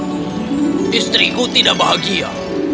oh istriku tidak bahagia